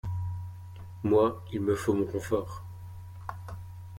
Moi, il me faut mon confort.